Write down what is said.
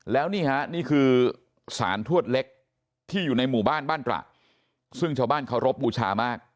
แล้วนี่ฮะนี่คือสารทวดเล็กที่อยู่ในหมู่บ้านบ้านตระซึ่งชาวบ้านเคารพบูชามาก